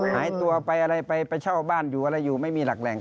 หายตัวไปอะไรไปเช่าบ้านอยู่อะไรอยู่ไม่มีหลักแหล่ง